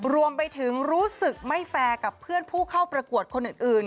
รวมไปถึงรู้สึกไม่แฟร์กับเพื่อนผู้เข้าประกวดคนอื่น